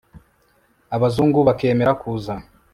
abazungu bakemera kuza